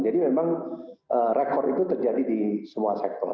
jadi memang rekod itu terjadi di semua sektor